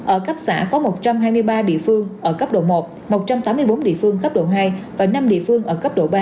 ở cấp xã có một trăm hai mươi ba địa phương ở cấp độ một một trăm tám mươi bốn địa phương cấp độ hai và năm địa phương ở cấp độ ba